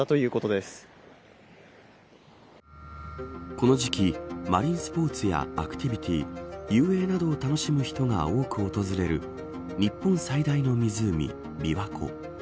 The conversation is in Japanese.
この時期マリンスポーツやアクティビティ遊泳などを楽しむ人が多く訪れる日本最大の湖、琵琶湖。